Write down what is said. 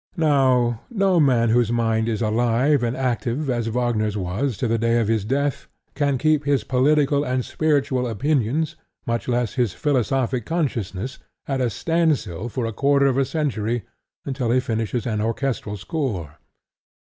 Now no man whose mind is alive and active, as Wagner's was to the day of his death, can keep his political and spiritual opinions, much less his philosophic consciousness, at a standstill for quarter of a century until he finishes an orchestral score.